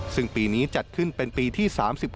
ซึ่งปีนี้จัดขึ้นเป็นปีที่๓๖